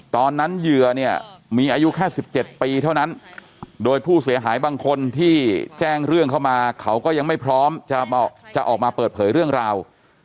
เหยื่อเนี่ยมีอายุแค่๑๗ปีเท่านั้นโดยผู้เสียหายบางคนที่แจ้งเรื่องเข้ามาเขาก็ยังไม่พร้อมจะออกมาเปิดเผยเรื่องราว